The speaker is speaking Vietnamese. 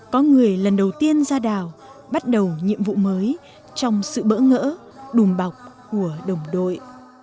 có người lần đầu tiên ra đảo bắt đầu nhiệm vụ mới trong sự bỡ ngỡ đùm bọc của đồng đội